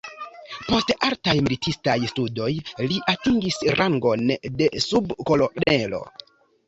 Post altaj militistaj studoj li atingis rangon de subkolonelo.